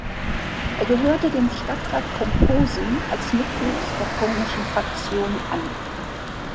Er gehörte dem Stadtrat von Posen als Mitglied der polnischen Fraktion an.